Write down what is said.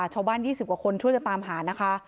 ชาวบ้าน๒๐กว่าคนช่วยจะตามหานะคะ